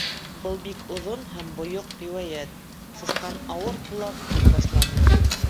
—Был бик оҙон һәм бойоҡ риүәйәт, —Сысҡан ауыр һулап һүҙ башланы.